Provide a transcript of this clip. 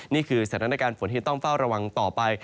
นี่คือสถานการณ์ฝนที่ต้องเฝ้าระวังต่อไป